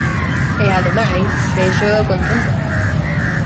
E, ademais, véxoo contento.